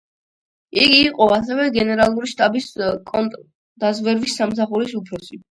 იგი იყო ასევე გენერალური შტაბის კონტრდაზვერვის სამსახურის უფროსი.